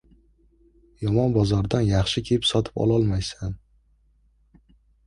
• Yomon bozordan yaxshi kiyim sotib ololmaysan.